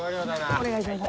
お願いします。